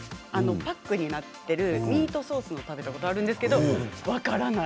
パックになっているミートソースを食べたことがあるんですけれども分からない。